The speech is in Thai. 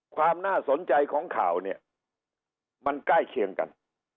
ความน่าสนใจของข่าวเนี่ยมันใกล้เคียงกัน